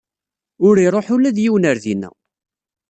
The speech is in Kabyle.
Ur iruḥ ula d yiwen ar dina.